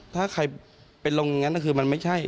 ถ้าใครเป็นลงอย่างนั้นคือมันไม่ใช่